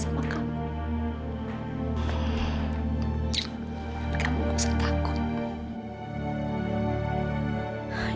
mama jangan menyinggung diri sama diri